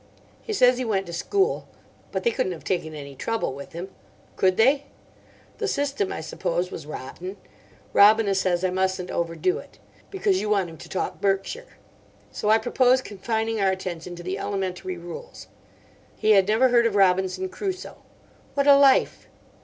He says he went to school. But they couldn't have taken any trouble with him. Could they? The system, I suppose, was rotten. Robina says I mustn't overdo it. Because you want him to talk Berkshire. So I propose confining our attention to the elementary rules. He had never heard of Robinson Crusoe. What a life!